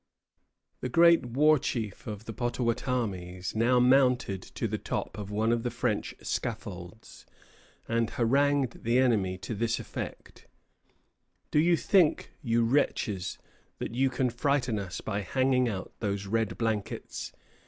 The great war chief of the Pottawattamies now mounted to the top of one of the French scaffolds, and harangued the enemy to this effect: "Do you think, you wretches, that you can frighten us by hanging out those red blankets?